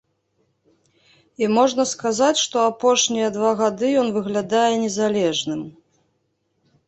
І можна сказаць, што апошнія два гады ён выглядае незалежным.